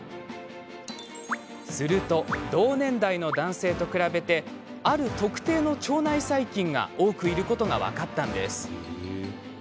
すると、同年代の男性と比べてある特定の腸内細菌が多くいることが分かりました。